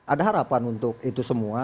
ada harapan untuk itu semua